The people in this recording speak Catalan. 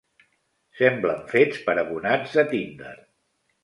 Semblen fets per abonats de Tinder.